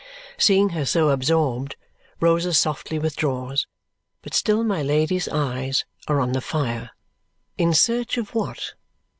Seeing her so absorbed, Rosa softly withdraws; but still my Lady's eyes are on the fire. In search of what?